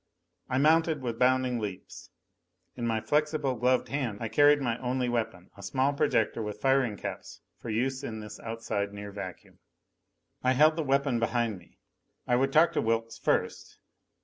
I mounted with bounding leaps. In my flexible gloved hand I carried my only weapon, a small projector with firing caps for use in this outside near vacuum. I held the weapon behind me. I would talk to Wilks first.